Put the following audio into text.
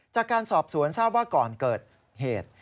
จากการสอบสวนทราบว่าก่อนเกิดเหตุ